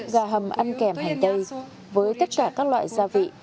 gà hầm ăn kèm hành tây với tất cả các loại gia vị